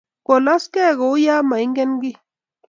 Kolaskei kouyo maingen kiy